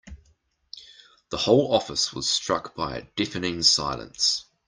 The whole office was struck by a deafening silence.